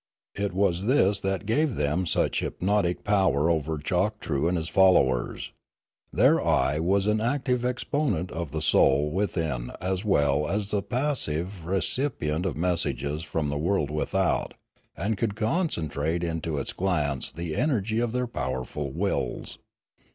It was this that gave them such hypnotic power over Choktroo and his followers. Their eye was an active exponent of the soul within as well as a passive re cipient of messages from the world without, and could concentrate into its glance the energy of their powerful wills.